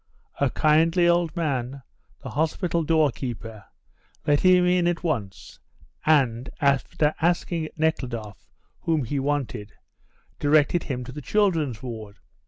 A kindly old man, the hospital doorkeeper, let him in at once and, after asking Nekhludoff whom he wanted, directed him to the children's ward.